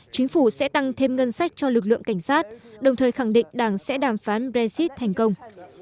chính phủ sẽ tăng thêm ngân sách cho lực lượng cảnh sát đồng thời khẳng định đảng sẽ đàm phán brexit thành công